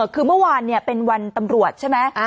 คือเมื่อวานเป็นวันตำรวจใช่ไหม